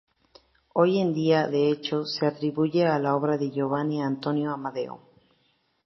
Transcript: Hoy en día, de hecho, se atribuye la obra a Giovanni Antonio Amadeo.